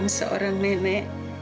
untuk seorang nenek